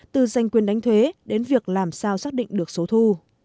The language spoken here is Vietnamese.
từ giành quyền đánh thuế đến việc làm sao xác định được số thu